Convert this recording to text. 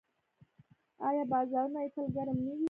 آیا بازارونه یې تل ګرم نه وي؟